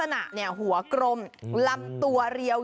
นั่นไหม